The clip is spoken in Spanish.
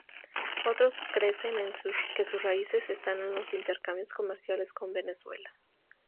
Otros creen que sus raíces están en los intercambios comerciales con Venezuela.